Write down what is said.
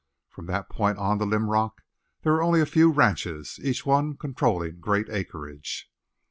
From that point on to Linrock there were only a few ranches, each one controlling great acreage.